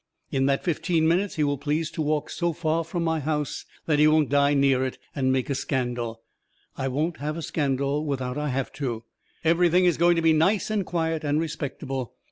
In that fifteen minutes he will please to walk so far from my house that he won't die near it and make a scandal. I won't have a scandal without I have to. Everything is going to be nice and quiet and respectable.